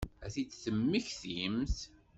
Ad t-id-temmektimt?